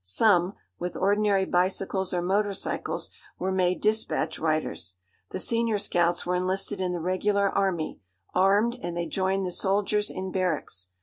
Some, with ordinary bicycles or motorcyles, were made dispatch riders. The senior scouts were enlisted in the regular army, armed, and they joined the soldiers in barracks.